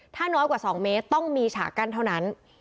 ถ้าน้อยกว่า๒เมตรต้องมีฉากกั้นเท่านั้น